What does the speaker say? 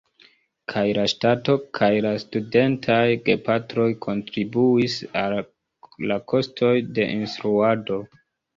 Kaj la ŝtato kaj la studentaj gepatroj kontribuis al la kostoj de instruado.